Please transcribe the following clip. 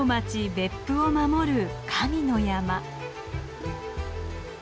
別府を守る神の山。